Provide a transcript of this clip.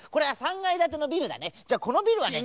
じゃこのビルはね